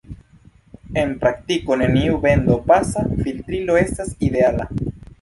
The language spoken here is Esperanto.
En praktiko, neniu bendo-pasa filtrilo estas ideala.